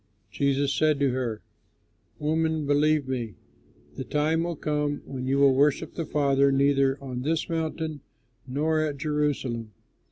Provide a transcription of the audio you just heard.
Jesus said to her, "Woman, believe me, the time will come when you will worship the Father neither on this mountain nor at Jerusalem.